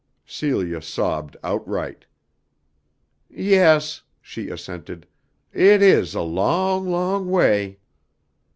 Celia sobbed outright. "Yes," she assented, "it is a long, long way!"